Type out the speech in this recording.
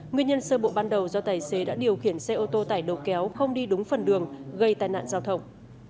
nguyên nhân sơ bộ ban đầu do tài xế đã điều khiển xe ô tô tải đầu kéo không đi đúng phần đường gây tai nạn giao thông